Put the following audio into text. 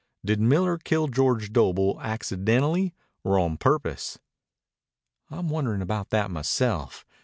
"Did Miller kill George Doble accidentally or on purpose?" "I'm wondering about that myself.